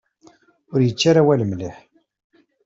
Ur yečči ara awal mliḥ.